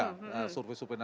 survei survei dan lainnya